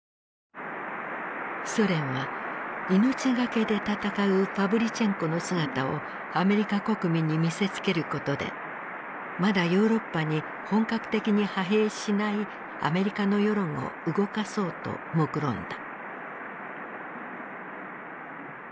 ソ連は命懸けで戦うパヴリチェンコの姿をアメリカ国民に見せつけることでまだヨーロッパに本格的に派兵しないアメリカの世論を動かそうともくろんだ。